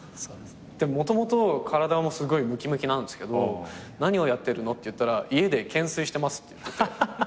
でもともと体もすごいムキムキなんすけど何をやってるの？って言ったら「家で懸垂してます」って言って。